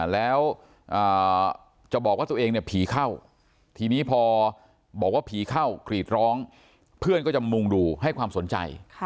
แล้วจะบอกว่าตัวเองเนี่ยผีเข้าทีนี้พอบอกว่าผีเข้ากรีดร้องเพื่อนก็จะมุงดูให้ความสนใจ